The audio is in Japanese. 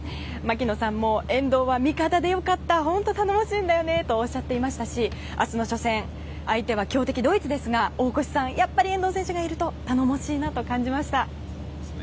槙野さんも遠藤は味方で良かった本当、頼もしいんだよねとおっしゃっていましたし明日の初戦相手は強敵ドイツですがやっぱり遠藤選手がいると頼もしいなと感じました。